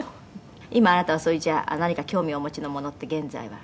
「今あなたはそれじゃ何か興味をお持ちのものって現在は？」